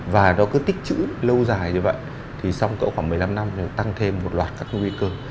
và nó cứ tích chữ lâu dài như vậy thì song cỡ khoảng một mươi năm năm tăng thêm một loạt các nguy cơ